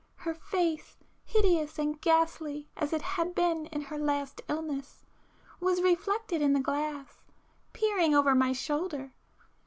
Her face, hideous and ghastly as it had been in her last illness, was reflected in the glass, peering over my shoulder!